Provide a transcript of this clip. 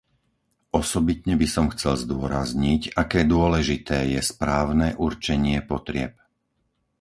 Osobitne by som chcel zdôrazniť, aké dôležité je správne určenie potrieb.